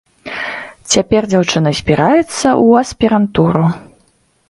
Цяпер дзяўчына збіраецца ў аспірантуру.